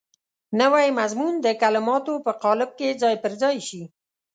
نوی مضمون د کلماتو په قالب کې ځای پر ځای شي.